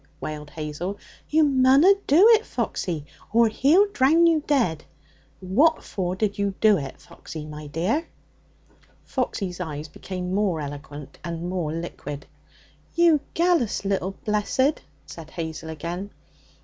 wailed Hazel. 'You munna do it, Foxy, or he'll drown you dead. What for did you do it, Foxy, my dear?' Foxy's eyes became more eloquent and more liquid. 'You gallus little blessed!' said Hazel again.